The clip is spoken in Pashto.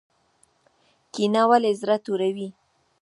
کینه ولې زړه توروي؟